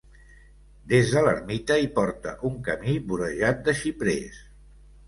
Des de l'ermita hi porta un camí vorejat de xiprers.